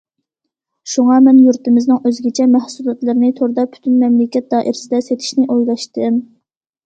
شۇڭا مەن يۇرتىمىزنىڭ ئۆزگىچە مەھسۇلاتلىرىنى توردا پۈتۈن مەملىكەت دائىرىسىدە سېتىشنى ئويلاشتىم.